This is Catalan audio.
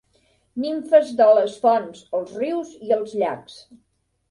Nimfes de les fonts, els rius i els llacs.